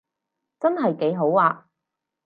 真係幾好啊